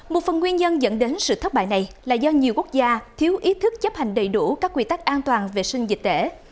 một phần nguyên nhân dẫn đến sự thất bại này là do nhiều quốc gia thiếu ý thức chấp hành đầy đủ các quy tắc an toàn vệ sinh dịch tễ